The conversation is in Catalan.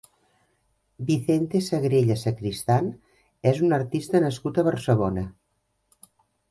Vicente Segrelles Sacristán és un artista nascut a Barcelona.